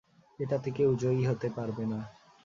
এটাতে কেউ জয়ী হতে পারবে না।